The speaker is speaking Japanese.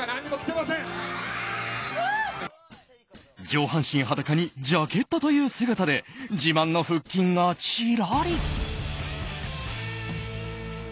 上半身裸にジャケットという姿で自慢の腹筋がチラリ。